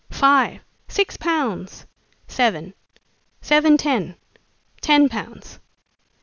"Five!" "Six pounds!" "Seven!" "Seven ten!" "Ten pounds!"